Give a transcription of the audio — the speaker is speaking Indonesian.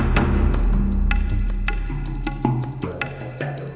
budak budak budak